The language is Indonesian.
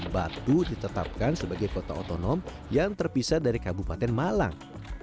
batu ditetapkan sebagai kota otonom yang terpisah dari kabupaten malang